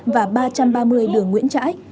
và ba trăm ba mươi đường nguyễn trãi